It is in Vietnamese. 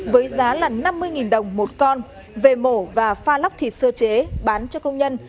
với giá là năm mươi đồng một con về mổ và pha lóc thịt sơ chế bán cho công nhân